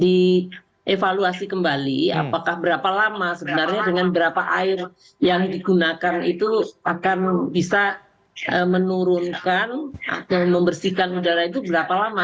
dievaluasi kembali apakah berapa lama sebenarnya dengan berapa air yang digunakan itu akan bisa menurunkan dan membersihkan udara itu berapa lama